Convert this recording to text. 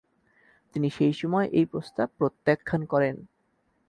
তিনি সেই সময় এই প্রস্তাব প্রত্যাখ্যান করেন।